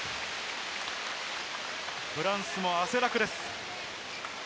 フランスも汗だくです。